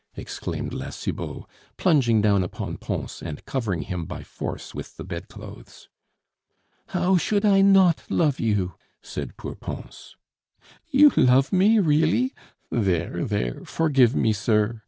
exclaimed La Cibot, plunging down upon Pons and covering him by force with the bedclothes. "How should I not love you?" said poor Pons. "You love me, really?... There, there, forgive me, sir!"